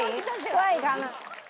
怖いかな？